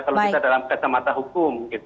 kalau kita dalam kata mata hukum